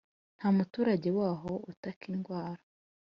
Nta muturage waho uzataka indwara.